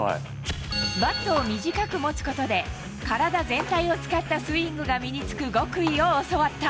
バットを短く持つことで、体全体を使ったスイングが身につく極意を教わった。